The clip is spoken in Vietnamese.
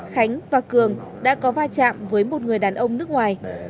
khánh và cường đã có va chạm với một người đàn ông nước ngoài